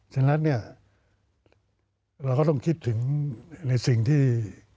ฉะนั้นเนี่ยเราก็ต้องคิดถึงในสิ่งที่